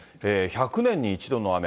１００年に１度の雨。